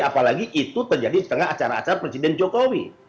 apalagi itu terjadi di tengah acara acara presiden jokowi